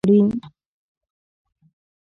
هغې ولیدل چې هغه نږدې دی وژاړي